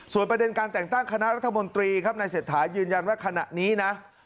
ประเด็นการแต่งตั้งคณะรัฐมนตรีครับนายเศรษฐายืนยันว่าขณะนี้นะ